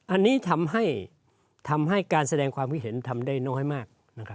อันนี้ทำให้การแสดงความคิดเห็นทำได้น้อยมาก